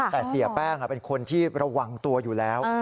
แต่เสียแป้งเป็นคนที่ระวังตัวอยู่แล้ว